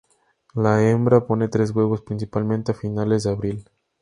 La hembra pone tres huevos, principalmente a finales de abril.